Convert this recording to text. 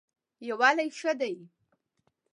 یووالی ښه دی.